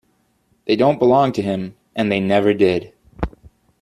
They don't belong to him, and they never did.